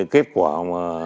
kết quả mà